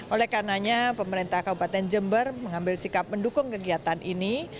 oleh karenanya pemerintah kabupaten jember mengambil sikap mendukung kegiatan ini